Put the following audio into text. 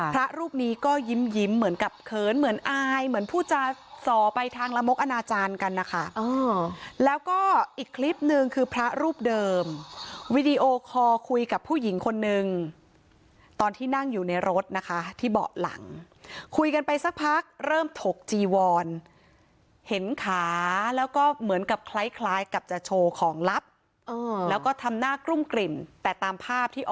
พระรูปนี้ก็ยิ้มเหมือนกับเขินเหมือนอายเหมือนผู้จาสอไปทางละมกอนาจารย์กันนะคะแล้วก็อีกคลิปนึงคือพระรูปเดิมวีดีโอคอร์คุยกับผู้หญิงคนนึงตอนที่นั่งอยู่ในรถนะคะที่เบาะหลังคุยกันไปสักพักเริ่มถกจีวอนเห็นขาแล้วก็เหมือนกับคล้ายคล้ายกับจะโชว์ของลับแล้วก็ทำหน้ากลุ้มกลิ่มแต่ตามภาพที่อ